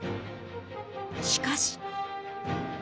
しかし。